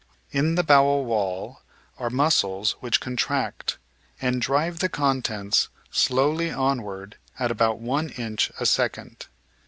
In the bowel wall are muscles which contract, and drive the contents slowly onward at about one inch a second.